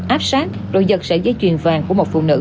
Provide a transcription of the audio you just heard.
áp sát rồi giật sẻ giấy chuyền vàng của một phụ nữ